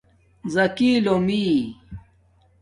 زکی لومی